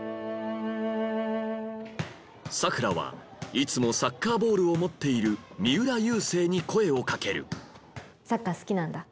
佐倉はいつもサッカーボールを持っている三浦佑星に声を掛けるサッカー好きなんだ？